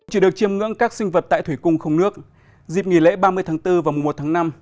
chỉ được chiêm ngưỡng các sinh vật tại thủy cung không nước dịp nghỉ lễ ba mươi tháng bốn và mùa một tháng năm